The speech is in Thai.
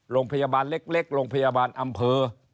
โรงพยาบาลเล็กโรงพยาบาลอำเภอ